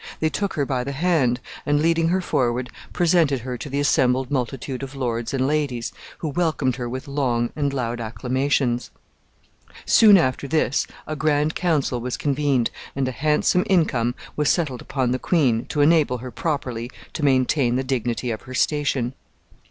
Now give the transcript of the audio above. They took her by the hand, and, leading her forward, presented her to the assembled multitude of lords and ladies, who welcomed her with long and loud acclamations. Soon after this a grand council was convened, and a handsome income was settled upon the queen, to enable her properly to maintain the dignity of her station.